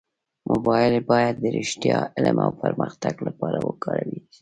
موبایل باید د رښتیا، علم او پرمختګ لپاره وکارېږي.